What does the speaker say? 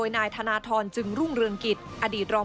ทำให้พี่กันออกมาถึงกองทันทาง